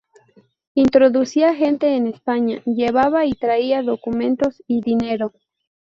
Introducía gente en España, llevaba y traía documentos y dinero.